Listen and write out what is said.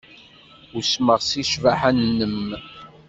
Usmeɣ seg ccbaḥa-nnem.